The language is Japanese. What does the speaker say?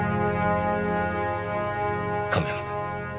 亀山君。